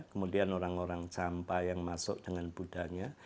kemudian orang orang campai yang masuk dengan buddhanya